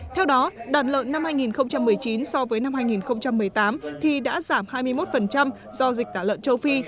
theo đó đàn lợn năm hai nghìn một mươi chín so với năm hai nghìn một mươi tám thì đã giảm hai mươi một do dịch tả lợn châu phi